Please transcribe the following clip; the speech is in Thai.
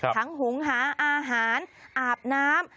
หุงหาอาหารอาบน้ำ